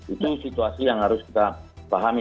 itu situasi yang harus kita pahami